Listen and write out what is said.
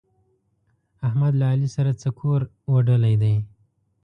احمد له علي سره څه کور اوډلی دی؟!